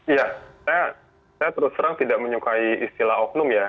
iya saya terus terang tidak menyukai istilah oknum ya